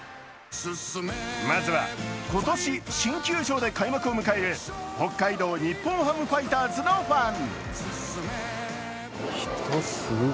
まずは今年新球場で開幕を迎える北海道日本ハムファイターズのファン。